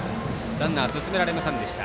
ランナー、進められませんでした。